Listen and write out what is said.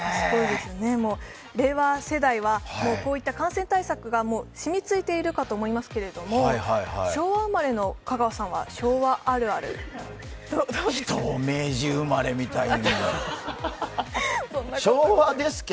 令和世代はこういった感染対策が染みついているかと思いますが、昭和生まれの香川さんは、昭和あるある、どうですか？